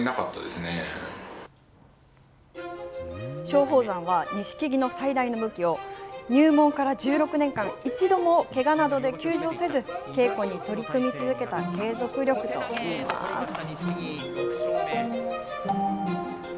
松鳳山は、錦木の最大の武器を、入門から１６年間一度もけがなどで休場せず、稽古に取り組み続けた継続力といいます。